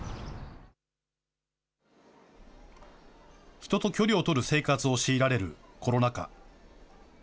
人と距離を取る生活を強いられるコロナ禍。